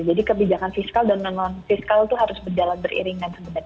jadi kebijakan fiskal dan non fiskal itu harus berjalan beriring